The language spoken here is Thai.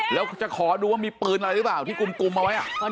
แล้วจะขอดูว่ามีปืนอะไรหรือเปล่าที่กุมเอาไว้